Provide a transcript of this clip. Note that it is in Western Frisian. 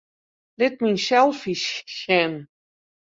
Lit myn selfies sjen.